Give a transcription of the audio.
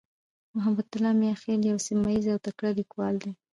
محبتالله "میاخېل" یو سیمهییز او تکړه لیکوال دی.